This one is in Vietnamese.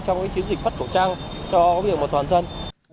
trong chiến dịch phát khẩu trang cho việc một toàn dân